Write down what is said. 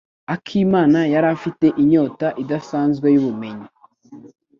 Akimana yari afite inyota idasanzwe yubumenyi.